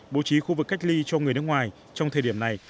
bố trí khu vực cách ly cho người nước ngoài trong thời điểm này